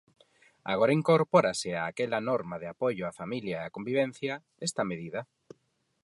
Agora incorpórase a aquela norma de apoio á familia e á convivencia, esta medida.